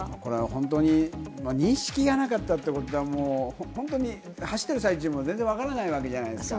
本当に認識がなかったってことは本当に走ってる際中も全然わからないわけじゃないですか。